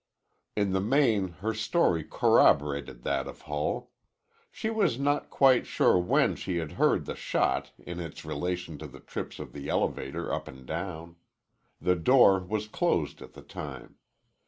In the main her story corroborated that of Hull. She was not quite sure when she had heard the shot in its relation to the trips of the elevator up and down. The door was closed at the time.